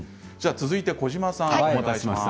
続いて児嶋さんお待たせしました。